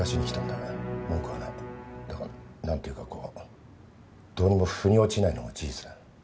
だがなんというかこうどうにも腑に落ちないのも事実だ。